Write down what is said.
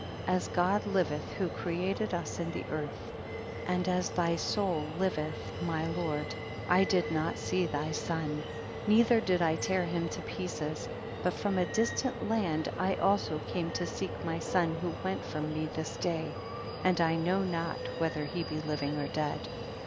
44. As God liveth who created us in the earth, and as thy soul liveth, my lord, I did not see thy son, neith er' did I tear him to pieces, but from a distant land I also came to seek my son who went from me this day, and I know not whether he be living or dead.